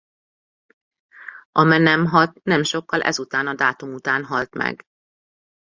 Amenemhat nem sokkal ez után a dátum után halt meg.